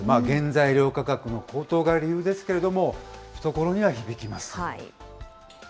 原材料価格の高騰が理由ですけれども、懐には響きます。